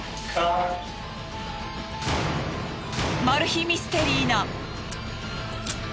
マル秘ミステリーな。